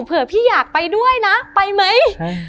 เผื่อพี่อยากไปด้วยนะไปไหม